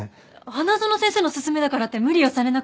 花園先生の勧めだからって無理をされなくても。